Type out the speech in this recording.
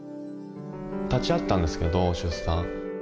立ち会ったんですけど出産。